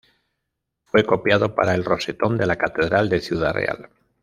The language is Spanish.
Fue copiado para el rosetón de la Catedral de Ciudad Real.